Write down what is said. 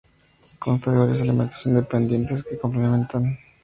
Consta de varios elementos independientes, que se complementan.